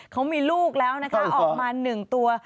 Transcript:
เขามีลูกแล้วนะคะออกมา๑ตัว